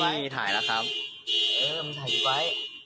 เออนี่ถ่ายแล้วครับเออมันถ่ายจีบไว้